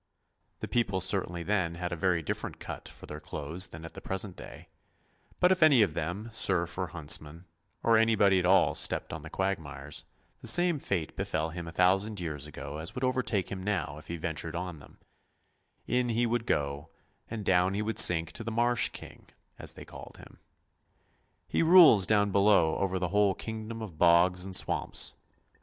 The people certainly then had a very different cut for their clothes than at the present day ; but if any of them, serf or huntsman, or anybody at all stepped on the quagmires, the same fate befell him a thousand years ago as would overtake him now if he ventured on them — in he would go, and down he would sink to the Marsh King, as they call him. He rules down below over the whole kingdom of bogs and swamps.